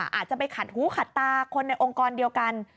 อาจจะไปขัดหูขัดตาคนในองค์กรเดียวกัน